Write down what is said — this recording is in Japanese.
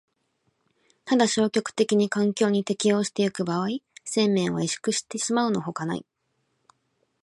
ただ消極的に環境に適応してゆく場合、生命は萎縮してしまうのほかない。